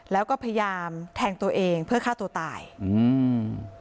แล้วก็พยายามแทงตัวเองเพื่อฆ่าตัวตายอืม